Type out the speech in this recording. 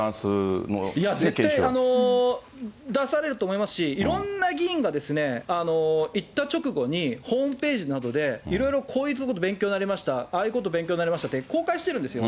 いや、絶対、出されると思いますし、いろんな議員がですね、行った直後に、ホームページなどでいろいろこういうこと勉強になりました、ああいうこと勉強になりましたって、公開してるんですよ。